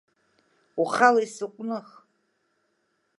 Ухала исыҟәных!